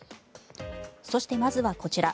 そして、まずはこちら。